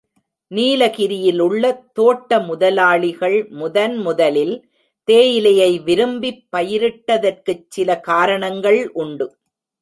நீலகிரியிலுள்ள தோட்ட முதலாளிகள் முதன் முதலில் தேயிலையை விரும்பிப் பயிரிட்டதற்குச் சில காரணங்கள் உண்டு.